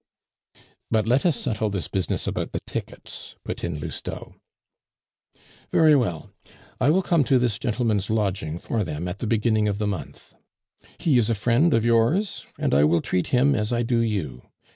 "But let us settle this business about the tickets," put in Lousteau. "Very well, I will come to this gentleman's lodging for them at the beginning of the month. He is a friend of yours, and I will treat him as I do you.